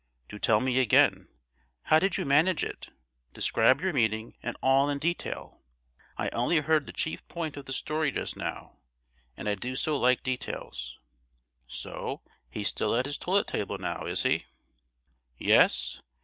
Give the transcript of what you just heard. Do tell me again, how did you manage it? Describe your meeting and all in detail; I only heard the chief point of the story just now, and I do so like details. So, he's still at his toilet table now, is he?—" "Yes.